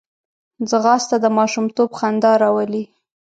ځغاسته د ماشومتوب خندا راولي